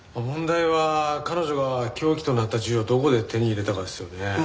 問題は彼女が凶器となった銃をどこで手に入れたかですよね。